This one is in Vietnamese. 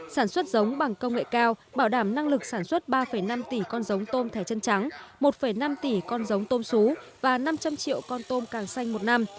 sản xuất giống bằng công nghệ cao bảo đảm năng lực sản xuất ba năm tỷ con giống tôm thẻ chân trắng một năm tỷ con giống tôm xú và năm trăm linh triệu con tôm càng xanh một năm